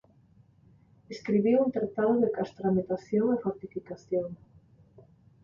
Escribiu un tratado de castrametación e fortificación.